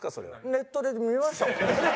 ネットで見ましたもん。